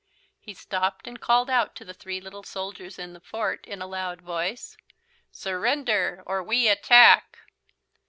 He stopped and called out to the three little soldiers in the fort in a loud voice: "SURRENDER OR WE ATTACK!"